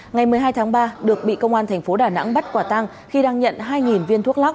ngày một mươi hai tháng ba được bị công an tp đà nẵng bắt quả tăng khi đang nhận hai viên thuốc lóc